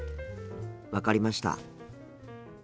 分かりました。